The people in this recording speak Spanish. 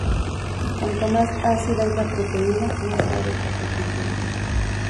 Cuanto más ácida es la proteína, más suave es la cutícula.